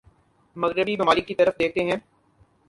مغربی ممالک کی طرف دیکھتے ہیں